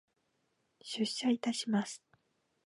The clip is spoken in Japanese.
出社いたします。